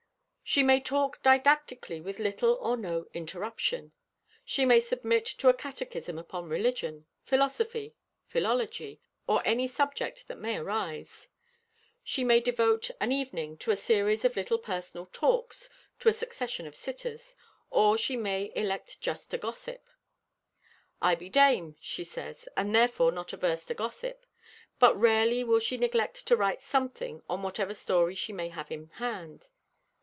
She may talk didactically with little or no interruption. She may submit to a catechism upon religion, philosophy, philology, or any subject that may arise. She may devote an evening to a series of little personal talks to a succession of sitters, or she may elect just to gossip. "I be dame," she says, and therefore not averse to gossip. But rarely will she neglect to write something on whatever story she may have in hand.